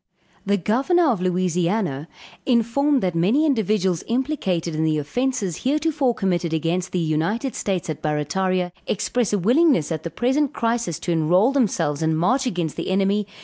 _] The Governor of Louisiana, informed that many individuals implicated in the offences heretofore committed against the United States at Barrataria, express a willingness at the present crisis to enroll themselves and march against the enemy.